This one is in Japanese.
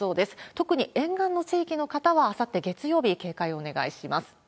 特に沿岸の地域の方は、あさって月曜日、警戒をお願いします。